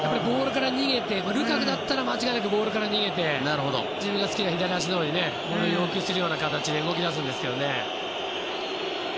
ルカクだったら間違いなくボールから逃げて自分が好きな左足のほうにボールを要求するような形で動き出すんですけどね。